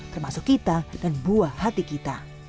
termasuk kita dan buah hati kita